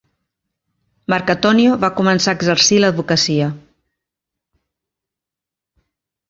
Marcatonio va començar a exercir l'advocacia.